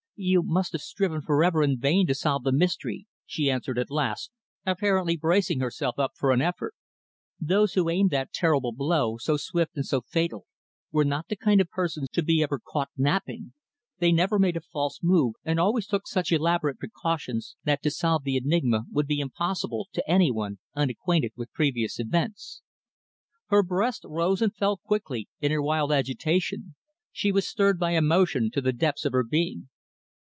"You might have striven for ever in vain to solve the mystery," she answered at last, apparently bracing herself up for an effort. "Those who aimed that terrible blow, so swift and so fatal, were not the kind of persons to be ever caught napping. They never made a false move, and always took such elaborate precautions that to solve the enigma would be impossible to any one unacquainted with previous events." Her breast rose and fell quickly in her wild agitation. She was stirred by emotion to the depths of her being.